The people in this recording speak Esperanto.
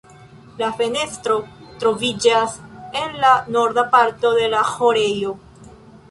La fenestro troviĝas en la norda parto de la ĥorejo.